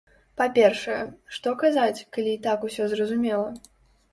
Па-першае, што казаць, калі і так усё зразумела?